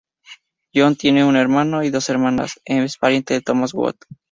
John tiene un hermano y dos hermanas, es pariente de Thomas Wood.